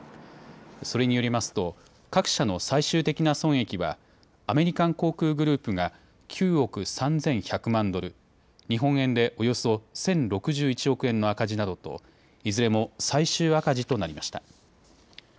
それによりますと各社の最終的な損益はアメリカン航空グループが９億３１００万ドル、日本円でおよそ１０６１億円の赤字などといずれも最終赤字となりました。